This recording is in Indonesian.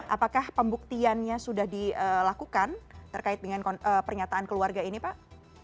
apakah pembuktiannya sudah dilakukan terkait dengan pernyataan keluarga ini pak